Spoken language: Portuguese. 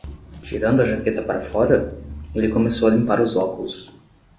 Tirando a jaqueta para fora? ele começou a limpar os óculos.